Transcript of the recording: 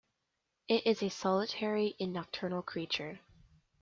It is a solitary and nocturnal creature.